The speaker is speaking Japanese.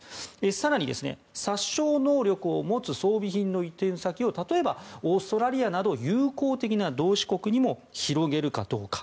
更に、殺傷能力を持つ装備品の移転先を例えばオーストラリアなど友好的な同志国にも広げるかどうか。